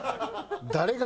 誰が。